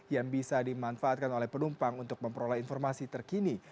yang bisa dimanfaatkan oleh penumpang untuk memperoleh informasi terkini